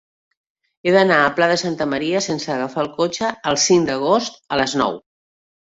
He d'anar al Pla de Santa Maria sense agafar el cotxe el cinc d'agost a les nou.